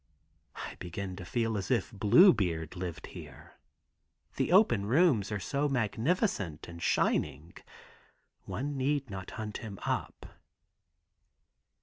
I begin to feel as if Blue Beard lived here. The open rooms are so magnificent and shining one need not hunt him up.